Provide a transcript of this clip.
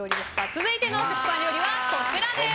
続いての食パン料理はこちらです。